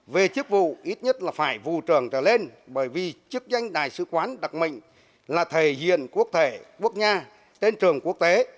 về chức vụ ít nhất là phải vù trường trở lên bởi vì chức danh đại sứ quán đặc mệnh là thể diện quốc thể quốc nha tên trường quốc tế